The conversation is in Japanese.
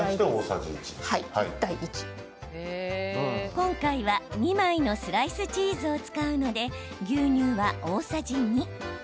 今回は２枚のスライスチーズを使うので、牛乳は大さじ２。